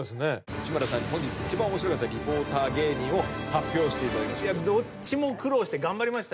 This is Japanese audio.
内村さんに本日一番面白かったリポーター芸人を発表していただきましょう。